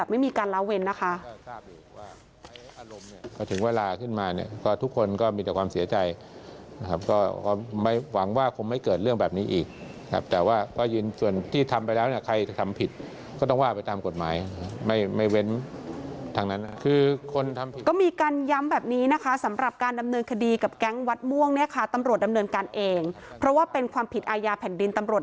ใจนะครับก็ไม่หวังว่าคงไม่เกิดเรื่องแบบนี้อีกครับแต่ว่าก็ยืนส่วนที่ทำไปแล้วเนี้ยใครทำผิดก็ต้องว่าไปตามกฎหมายไม่ไม่เว้นทางนั้นคือคนทำผิดก็มีการย้ำแบบนี้นะคะสำหรับการดำเนินคดีกับแก๊งวัดม่วงเนี้ยค่ะตำโปรดดำเนินการเองเพราะว่าเป็นความผิดอายาแผ่นดินต